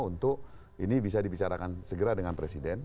untuk ini bisa dibicarakan segera dengan presiden